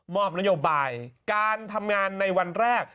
อบนโยบายการทำงานในวันแรก